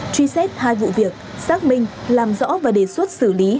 trí xét hai vụ việc xác minh làm rõ và đề xuất xử lý hai đối tượng